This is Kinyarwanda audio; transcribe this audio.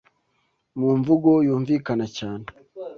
Mu mvugo yumvikana cyane